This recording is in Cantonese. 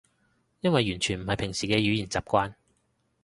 因為完全唔係平時嘅語言習慣